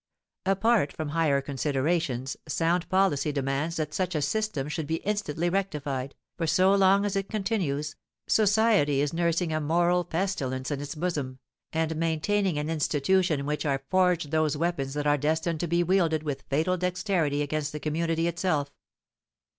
Apart from higher considerations, sound policy demands that such a system should be instantly rectified, for so long as it continues, society is nursing a moral pestilence in its bosom, and maintaining an institution in which are forged those weapons that are destined to be wielded with fatal dexterity against the community itself.